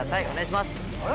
お願いします！